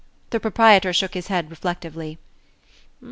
The proprietor shook his head reflectively.